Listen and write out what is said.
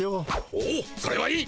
おおそれはいい。